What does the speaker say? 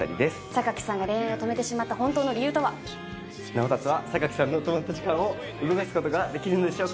榊さんが恋愛を止めてしまった本当の理由とは直達は榊さんの止まった時間を動かすことができるのでしょうか